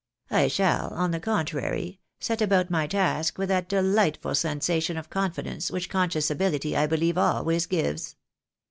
I shall, on the contrary, set about my task with that delightful sensation of confidence which con scious ability I believe always gives.